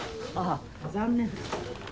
残念。